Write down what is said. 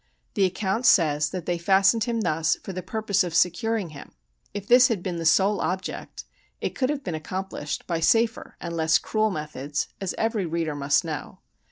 The account says that they fastened him thus for the purpose of securing him. If this had been the sole object, it could have been accomplished by safer and less cruel methods, as every reader must know.